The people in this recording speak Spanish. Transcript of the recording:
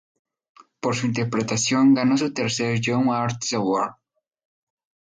Por su interpretación, ganó su tercer Young Artist Award.